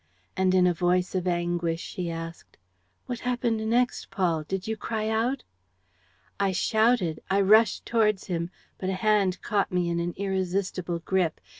And in a voice of anguish she asked, "What happened next, Paul? Did you cry out?" "I shouted, I rushed towards him, but a hand caught me in an irresistible grip.